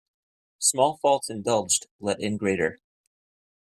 Small faults indulged let in greater.